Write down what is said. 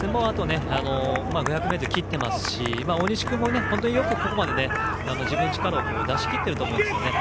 ５００ｍ切ってますし大西君もよくここまで自分の力を出し切っていると思います。